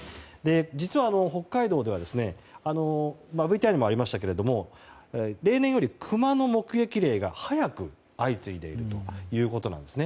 実は、北海道ではＶＴＲにもありましたけれども例年よりクマの目撃例が早く、相次いでいるということなんですね。